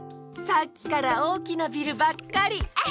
さっきからおおきなビルばっかり！